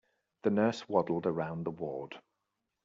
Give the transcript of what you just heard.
The nurse waddled around the ward.